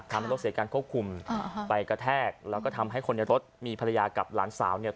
ทำให้รถเสียการควบคุมไปกระแทกแล้วก็ทำให้คนในรถมีภรรยากับหลานสาวเนี่ย